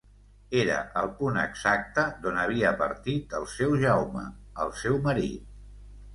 Era el punt exacte d’on havia partit el seu Jaume, el seu marit...